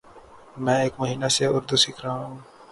میں ایک مہینہ سے اردو سیکھرہاہوں